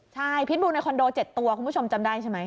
ใช่พิษบูในคอนโด๗ตัวคุณผู้ชมจำได้ใช่ไหม